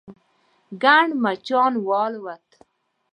ګڼ مچان والوتل.